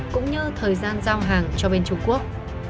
cũng như thời gian giao hàng cho bên trung quốc